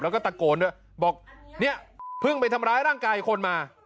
แล้วก็ตะโกนด้วยบอกเนี่ยเพิ่งไปทำร้ายร่างกายคนมา